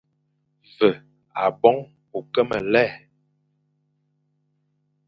Ve aboñ ô ke me lè,